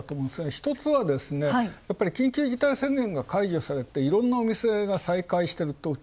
ひとつはですね、緊急事態宣言が解除されていろんなお店が再開している。